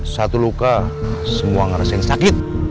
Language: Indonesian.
satu luka semua ngeresin sakit